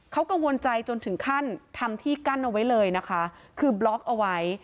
เขากังวลใจจนถึงขั้นทำที่กั้นเอาไว้เลยนะคะคือบล็อกเอาไว้